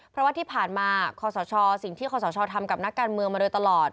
เพราะว่าที่ผ่านมาคอสชสิ่งที่คอสชทำกับนักการเมืองมาโดยตลอด